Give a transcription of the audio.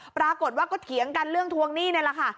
ปรากฏว่าก็เถียงกันเรื่องทวงหนี้นี่แหละค่ะ